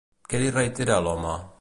Què li reitera a l'home?